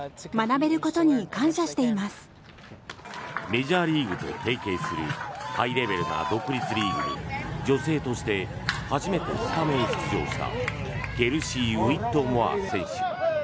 メジャーリーグと提携するハイレベルな独立リーグに女性として初めてスタメン出場したケルシー・ウィットモア選手。